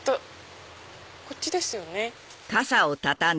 こっちですよね。